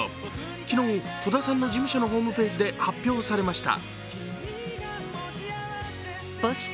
昨日戸田さんの事務所のホームページで発表されました。